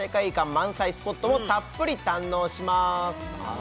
満載スポットをたっぷり堪能します